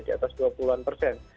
di atas dua puluh an persen